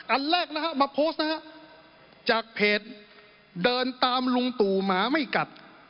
อันแรกนะฮะมาโพสต์นะฮะจากเพจเดินตามลุงตู่หมาไม่กัด